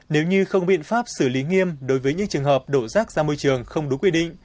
nếu như không biện pháp xử lý nghiêm đối với những trường hợp đổ rác ra môi trường không đúng quy định